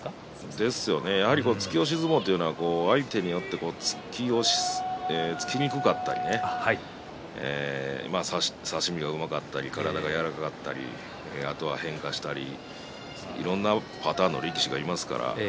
そうですね突き相撲というのは相手によって突きにくかったりね差し身がうまかったり体が柔らかかったりいろんなパターンの力士がいますからね。